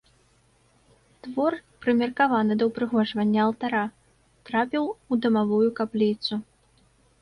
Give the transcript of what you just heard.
Твор, прымеркаваны да ўпрыгожвання алтара, трапіў у дамавую капліцу.